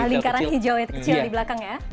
ini yang lingkaran hijau kecil di belakang ya